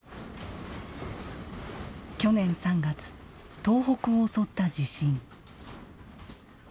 去年３月、東北を襲った地震。